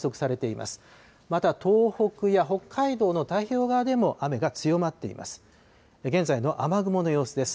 また東北や北海道の太平洋側でも雨が強まっています。